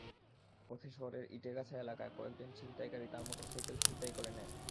পথে শহরের ইটেগাছা এলাকায় কয়েকজন ছিনতাইকারী তাঁর মোটরসাইকেল ছিনতাই করে নেয়।